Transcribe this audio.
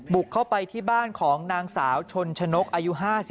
บุกเข้าไปที่บ้านของนางสาวชนชนกอายุ๕๓